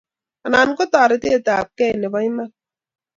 Anan ko toretetabkei nebo iman